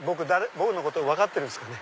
僕のことを分かってるんすかね？